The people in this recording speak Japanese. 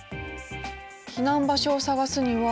避難場所を探すには。